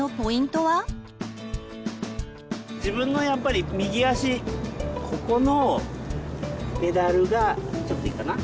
自分のやっぱり右足ここのペダルがちょっといいかな？